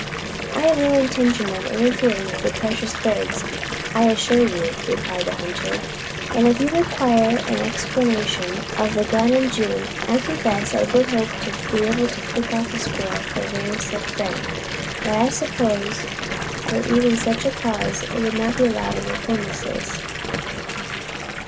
"I have no intention of interfering with your precious birds, I assure you," replied the hunter. "And if you require an explanation of the gun in June, I confess I did hope to be able to pick off a squirrel for a very sick friend. But I suppose for even such cause it would not be allowed on your premises."